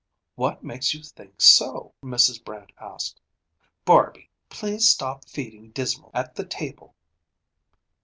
"What makes you think so?" Mrs. Brant asked. "Barby! Please stop feeding Dismal at the table."